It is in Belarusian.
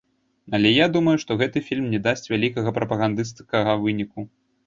Але я думаю, што гэты фільм не дасць вялікага прапагандысцкага выніку.